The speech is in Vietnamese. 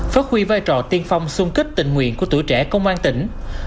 phát huy vai trò tiên phong sung kích tình nguyện của tuổi trẻ công an tỉnh